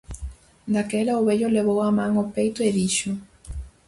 Daquela o vello levou a man ao peito e dixo: